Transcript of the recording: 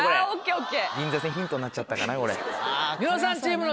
ＯＫ。